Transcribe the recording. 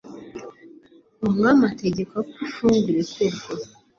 Umwami ategeka ko imfungwa irekurwa